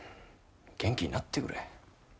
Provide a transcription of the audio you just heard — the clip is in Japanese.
元気になってくれ。